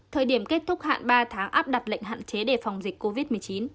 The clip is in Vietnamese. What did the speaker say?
thời điểm kết thúc hạn ba tháng áp đặt lệnh hạn chế đề phòng dịch covid một mươi chín